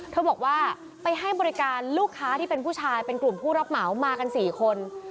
บอกว่าไปให้บริการลูกค้าที่เป็นผู้ชายเป็นกลุ่มผู้รับเหมามากัน๔คน